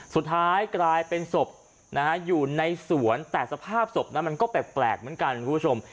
สุดท้ายกลายเป็นศพนะฮะอยู่ในสวนแต่สภาพศพนั้นมันก็แปลกเหมือนกันคุณผู้ชม